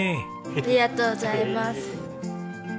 ありがとうございます。